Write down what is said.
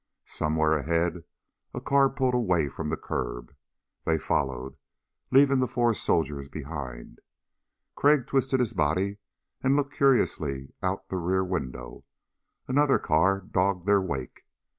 Somewhere ahead a car pulled away from the curb. They followed, leaving the four soldiers behind. Crag twisted his body and looked curiously out the rear window. Another car dogged their wake.